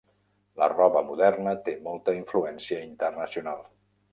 La roba moderna té molta influència internacional.